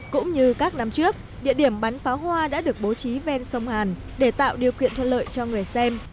cũng như các năm trước địa điểm bắn pháo hoa đã được bố trí ven sông hàn để tạo điều kiện thuận lợi cho người xem